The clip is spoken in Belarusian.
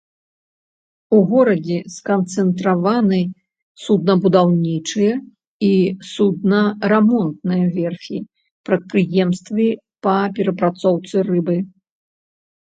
У горадзе сканцэнтраваны суднабудаўнічыя і судна рамонтныя верфі, прадпрыемствы па перапрацоўцы рыбы.